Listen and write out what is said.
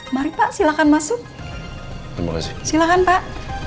mari pak silahkan masuk silakan pak